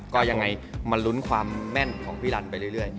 ก็ยังไงมาลุ้นความแม่นของพี่รันไปเรื่อย